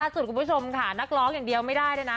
สุดคุณผู้ชมค่ะนักร้องอย่างเดียวไม่ได้เลยนะ